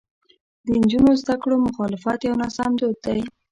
د نجونو د زده کړو مخالفت یو ناسمو دود دی.